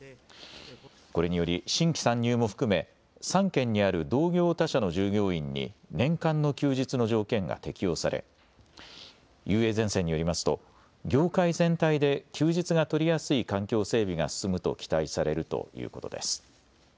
これにより新規参入も含め３県にある同業他社の従業員に年間の休日の条件が適用され、ＵＡゼンセンによりますと業界全体で休日が取りやすい環境整備が進むと期待されるということです。